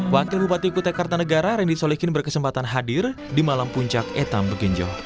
wakil bupati kutai kartanegara rendy solihin berkesempatan hadir di malam puncak etam begenjo